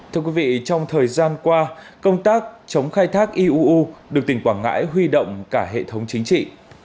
thưa quý vị trong thời gian qua công tác chống khai thác iuu được tỉnh quảng ngãi huy động cả hệ thống chính trị